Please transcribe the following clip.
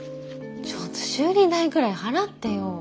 ちょっと修理代くらい払ってよ！